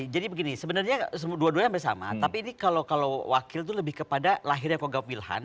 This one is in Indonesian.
jadi begini sebenarnya dua duanya sama tapi ini kalau wakil itu lebih kepada lahirnya kogak wilhan